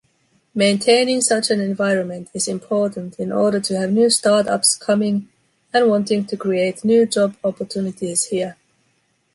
Maintaining such an environment is important in order to have new start-ups coming and wanting to create new job opportunities here.